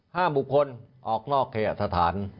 ห้ามบุคคลออกนอกเคหสถาน